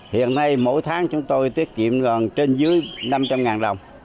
hiện nay mỗi tháng chúng tôi tiết kiệm gần trên dưới năm trăm linh đồng